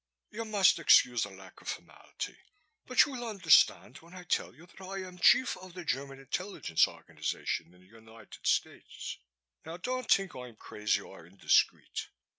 "You must excuse the lack of formality but you will understand when I tell you that I am chief of the German intelligence organization in the United States. Now don't think I'm crazy or indiscreet.